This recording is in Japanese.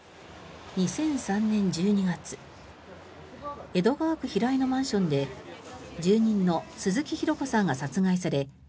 ２００３年１２月江戸川区平井のマンションで住人の鈴木弘子さんが殺害され